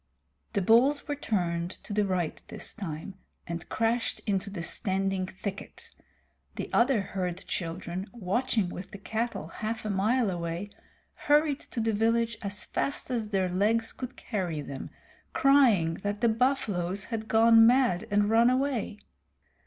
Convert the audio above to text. The bulls were turned, to the right this time, and crashed into the standing thicket. The other herd children, watching with the cattle half a mile away, hurried to the village as fast as their legs could carry them, crying that the buffaloes had gone mad and run away.